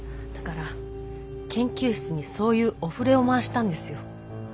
だから研究室にそういうお触れを回したんですよ。